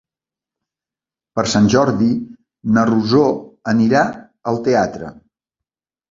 Per Sant Jordi na Rosó anirà al teatre.